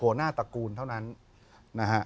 หน้าตระกูลเท่านั้นนะฮะ